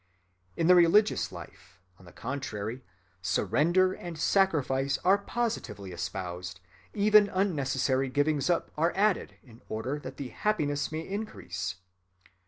In the religious life, on the contrary, surrender and sacrifice are positively espoused: even unnecessary givings‐up are added in order that the happiness may increase.